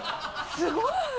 すごい！